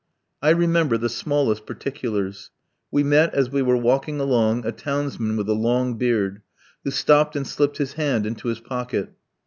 I remember the smallest particulars. We met, as we were walking along, a townsman with a long beard, who stopped and slipped his hand into his pocket.